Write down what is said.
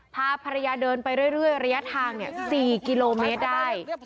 พาภรรยาเดินไปเรื่อยระยะทาง๔กิโลเมตรได้